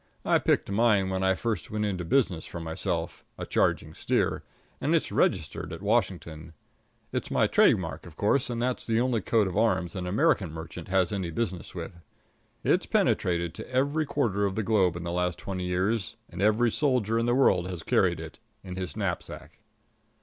I picked mine when I first went into business for myself a charging steer and it's registered at Washington. It's my trade mark, of course, and that's the only coat of arms an American merchant has any business with. It's penetrated to every quarter of the globe in the last twenty years, and every soldier in the world has carried it in his knapsack.